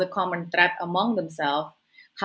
ancaman umum bagi mereka sendiri